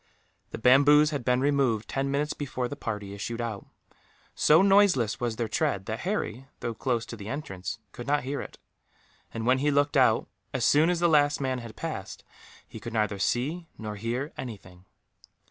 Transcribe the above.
The bamboos had been removed, ten minutes before the party issued out. So noiseless was their tread that Harry, though close to the entrance, could not hear it; and when he looked out, as soon as the last man had passed, he could neither see nor hear anything.